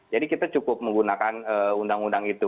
jadi kita cukup menggunakan undang undang itu